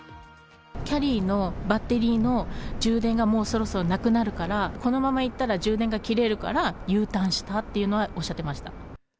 キャリーのバッテリーの充電がもうそろそろなくなるから、このまま行ったら、充電が切れるから、Ｕターンしたっていうのはおっしゃってました。